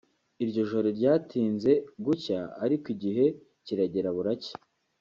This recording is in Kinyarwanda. Iryo joro ryatinze gucya ariko igihe kiragera buracya